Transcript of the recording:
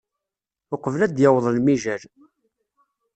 Uqbel ad yaweḍ lemijal.